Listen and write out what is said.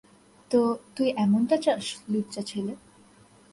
তো, তুই এমনটা চাস, লুচ্চা ছেলে?